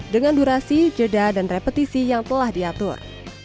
dengan durasi jeda dan repetisi yang telah diatur